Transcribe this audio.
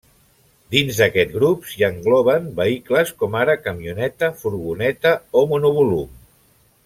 Dins d'aquest grup s'hi engloben vehicles com ara camioneta, furgoneta o monovolum.